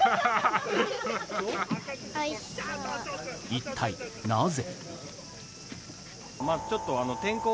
一体なぜ。